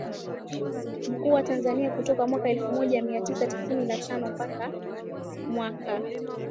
Mkuu wa Tanzania kutoka mwaka elfu moja mia tisa tisini na tano mpaka mwaka